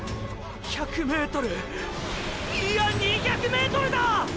１００ｍいや２００ｍだ！！